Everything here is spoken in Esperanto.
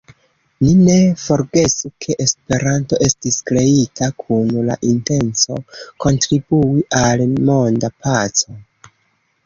Ni ne forgesu, ke Esperanto estis kreita kun la intenco kontribui al monda paco.